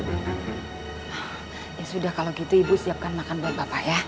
nah ya sudah kalau gitu ibu siapkan makan buat bapak ya